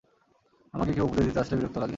আমাকে কেউ উপদেশ দিতে আসলে বিরক্ত লাগে।